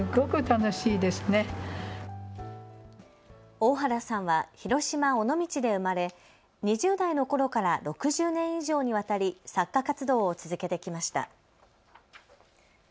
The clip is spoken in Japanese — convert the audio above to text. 大原さんは広島尾道で生まれ２０代のころから６０年以上にわたり作家活動を続けてきました。